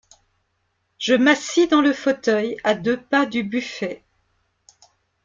Je m’assis dans le fauteuil, à deux pas du buffet.